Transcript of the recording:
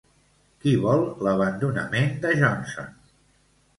Qui vol l'abandonament de Johnson?